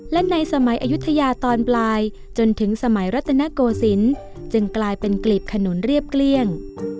และในสมัยอายุทยาตอนปลายจนถึงสมัยรัตนโกศิลป์จึงกลายเป็นกลีบขนุนเรียบเกลี้ยง